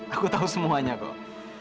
aku tahu semuanya kok